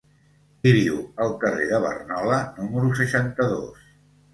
Qui viu al carrer de Barnola número seixanta-dos?